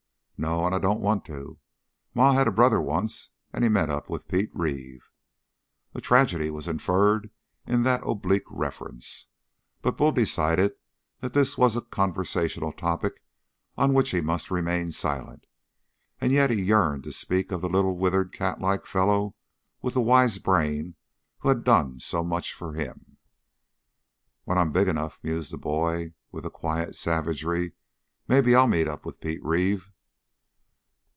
"No, and I don't want to. Ma had a brother once, and he met up with Pete Reeve." A tragedy was inferred in that oblique reference. Bull decided that this was a conversational topic on which he must remain silent, and yet he yearned to speak of the little withered catlike fellow with the wise brain who had done so much for him. "When I'm big enough," mused the boy with a quiet savagery, "maybe I'll meet up with Pete Reeve."